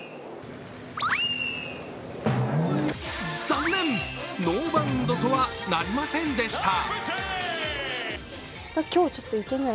残念、ノーバウンドとはなりませんでした。